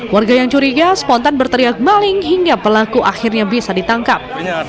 warga yang curiga spontan berteriak maling hingga pelaku akhirnya bisa ditangkap